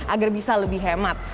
agar bisa lebih hemat